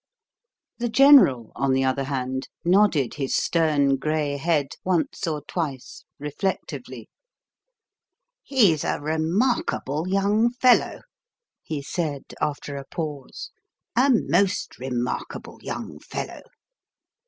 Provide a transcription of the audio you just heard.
The General, on the other hand, nodded his stern grey head once or twice reflectively. "He's a remarkable young fellow," he said, after a pause; "a most remarkable young fellow.